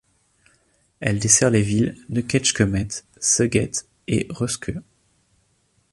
Elle dessert les villes de Kecskemét, Szeged et Röszke.